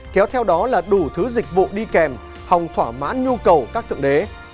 kéo theo đó là đủ thứ dịch vụ đi kèm hòng thỏa mãn nhu cầu các thượng đế